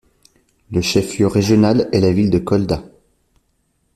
Le chef-lieu régional est la ville de Kolda.